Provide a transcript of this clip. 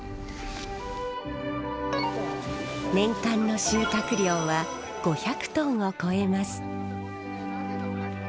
年間の収穫量は５００トンを超えます。